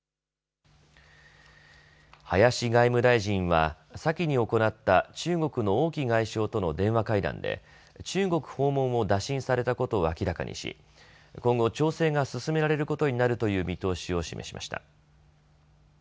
林外務大臣は先に行った中国の王毅外相との電話会談で中国訪問を打診されたことを明らかにし今後、調整が進められることになるという見通しを示しました。